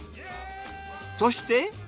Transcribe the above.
そして。